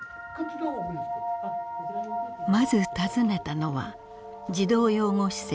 まず訪ねたのは児童養護施設聖母愛児園。